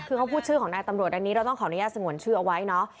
คือเขาพูดชื่อของนายตำรวจอันนี้เราต้องขออนุญาตสงวนชื่อเอาไว้เนาะ